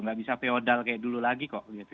nggak bisa feodal kayak dulu lagi kok gitu